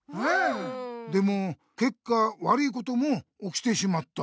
でもけっか悪いこともおきてしまった。